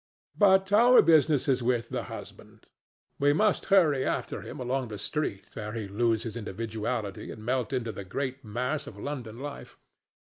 But our business is with the husband. We must hurry after him along the street ere he lose his individuality and melt into the great mass of London life.